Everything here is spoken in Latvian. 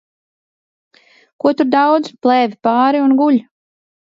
Ko tur daudz – plēve pāri un guļ.